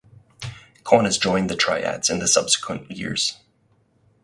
Kwan has joined the triads in the subsequent years.